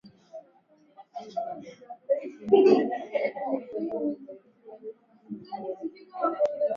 Polisi wa Zimbabwe walikataa kutoa maoni